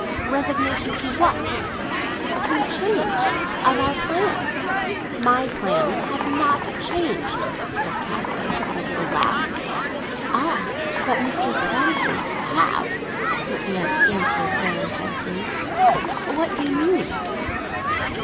"Resignation to what?" "To a change of—of our plans." "My plans have not changed!" said Catherine, with a little laugh. "Ah, but Mr. Townsend's have," her aunt answered very gently. "What do you mean?"